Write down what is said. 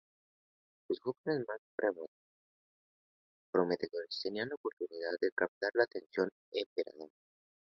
Los jóvenes más prometedores tenían la oportunidad de captar la atención del emperador.